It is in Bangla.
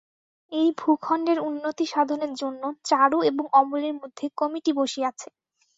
এই ভূখণ্ডের উন্নতিসাধনের জন্য চারু এবং অমলের মধ্যে কমিটি বসিয়াছে।